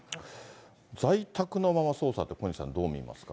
在宅のまま捜査って、小西さん、どう見ますか。